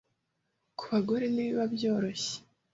ku bagore ntibiba byoroshye